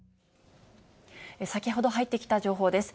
先ほど入ってきた情報です。